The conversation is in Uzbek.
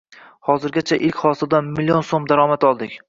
Hozirgacha ilk hosildan million so‘m daromad oldik.